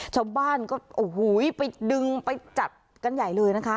ชาวบ้านก็โอ้โหไปดึงไปจัดกันใหญ่เลยนะคะ